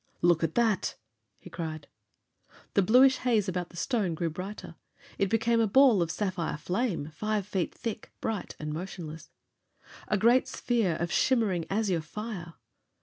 "Look at that!" he cried. The bluish haze about the stone grew brighter; it became a ball of sapphire flame, five feet thick, bright and motionless. A great sphere of shimmering azure fire!